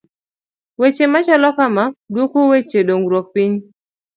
Weche machalo kama, duoko weche dongruok piny.